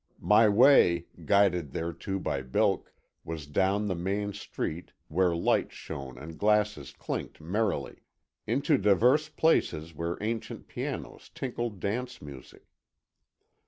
My way, guided thereto by Bilk, was down the main street, where lights shone and glasses clinked merrily; into divers places where ancient pianos tinkled dance music.